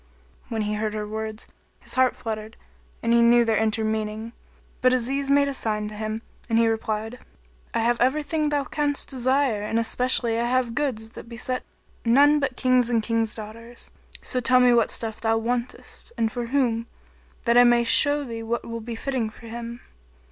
When he heard her words, his heart fluttered and he knew not their inner meaning; but Aziz made a sign to him and he replied, "I have everything thou canst desire and especially I have goods that besit none but Kings and King's daughters; so tell me what stuff thou wantest and for whom, that I may show thee what will be fitting for him."